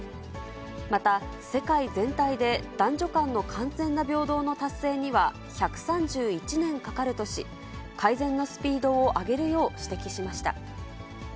また、世界全体で男女間の完全な平等の達成には１３１年かかるとし、改善のスピードを上げるよう指摘しました。